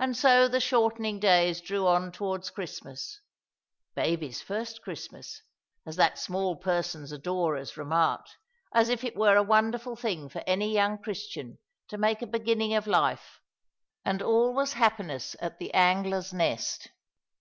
And so the shortening days drew on towards Christmas; baby's first Christmas, as that small person's adorers remarked — as if it were a wonderful thing for any young Christian to make a beginning of life— and all was happiness at the Angler's Kest.